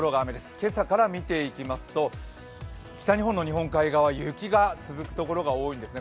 今朝から見ていきますと北日本の日本海側、雪が続くところが多いんですね。